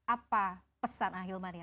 apa pesan ahilman ya